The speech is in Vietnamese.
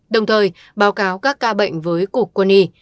đồng thời báo cáo các ca bệnh với cục quân y